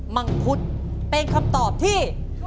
มังคุดเป็นคำตอบที่